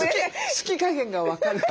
好き加減が分かる。